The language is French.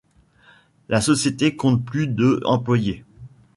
La société compte plus de employés.